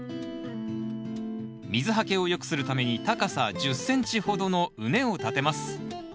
水はけをよくするために高さ１０ｃｍほどの畝を立てます。